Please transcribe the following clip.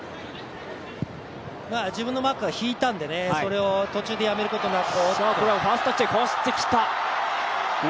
自分のマークは引いたんでそれを途中でやめることなく。